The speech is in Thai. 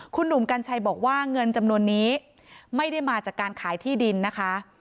คุณหนุ่มกัญชัยบอกว่าเงินจำนวนนี้ไม่ได้มาจากการขายที่ดินนะคะ